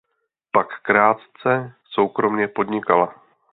Pak krátce soukromě podnikala.